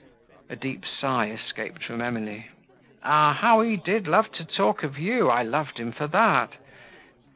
A deep sigh escaped from Emily. "Ah! how he did love to talk of you! I loved him for that.